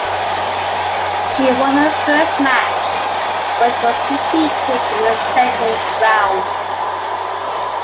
She won her first match but was defeated in the second round.